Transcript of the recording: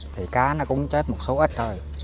thì cá nó cũng chết một số ít thôi